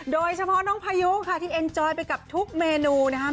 โดยเฉพาะน้องพายุค่ะที่เอ็นจอยไปกับทุกเมนูนะครับ